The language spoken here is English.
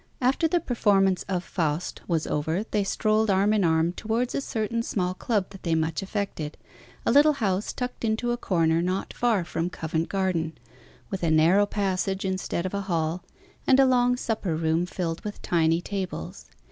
After the performance of "Faust" was over they strolled arm in arm towards a certain small club that they much affected, a little house tucked into a corner not far from Covent Garden, with a narrow passage instead of a hall, and a long supper room filled with tiny tables.